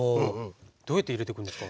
どうやって入れてくんですか？